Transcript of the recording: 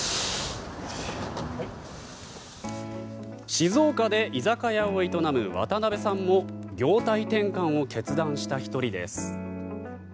静岡で居酒屋を営む渡部さんも業態転換を決断した１人です。